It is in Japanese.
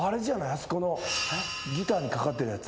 あそこのギターにかかってるやつ。